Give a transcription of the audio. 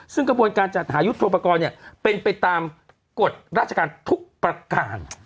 ซึ่งกระบวนการจัดหายุทธโปรกรณ์เป็นไปตามกฎราชการทุกประการ